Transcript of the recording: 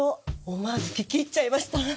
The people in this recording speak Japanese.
思わず聴き入っちゃいました。